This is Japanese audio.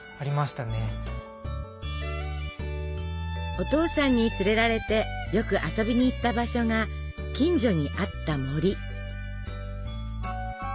お父さんに連れられてよく遊びに行った場所が近所にあった森。